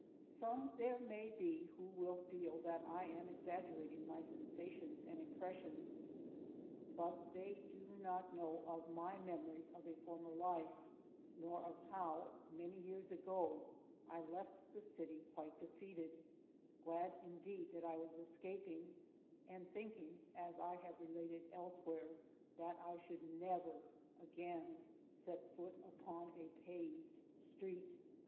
Some there may be who will feel that I am exaggerating my sensations and impressions, but they do not know of my memories of a former life, nor of how, many years ago, I left the city quite defeated, glad indeed that I was escaping, and thinking (as I have related elsewhere) that I should never again set foot upon a paved street.